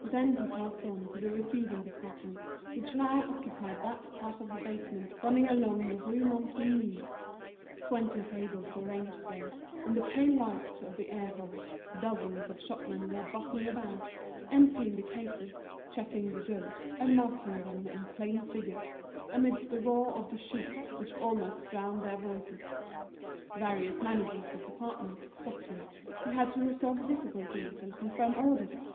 Then he passed on to the receiving department, which now occupied that part of the basement running along the Rue Monsigny. Twenty tables were ranged there, in the pale light of the air holes; dozens of shopmen were bustling about, emptying the cases, checking the goods, and marking them in plain figures, amidst the roar of the shoot, which almost drowned their voices. Various managers of departments stopped him, he had to resolve difficulties and confirm orders.